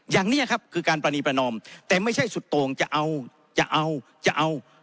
อย่างนี้ครับคือการปรณีประนอมแต่ไม่ใช่สุดโต่งจะเอาจะเอา